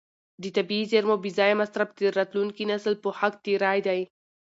د طبیعي زیرمو بې ځایه مصرف د راتلونکي نسل په حق تېری دی.